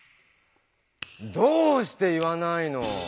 どうして言わないの？